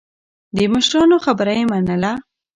د مشرانو خبره يې منله.